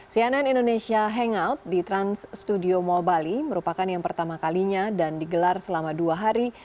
cnn indonesia hangout di trans studio mall bali merupakan yang pertama kalinya dan digelar selama dua hari